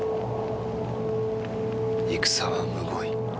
戦はむごい。